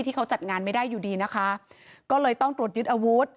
ที่เขาจัดงานไม่ได้อยู่ดีนะคะก็เลยต้องตรวจยึดอาวุธ